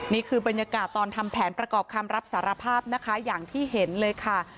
นี่คือบรรยากาศตอนทำแผนประกอบคำรับสารภาพนะคะอย่างที่เห็นเลยค่ะ